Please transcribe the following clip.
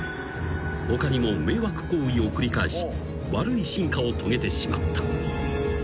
［他にも迷惑行為を繰り返し悪い進化を遂げてしまった］